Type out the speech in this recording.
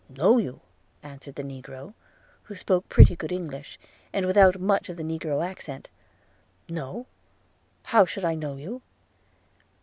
'Know you,' answered the negro, who spoke pretty good English, and without much of the negro accent – 'No! how should I know you?'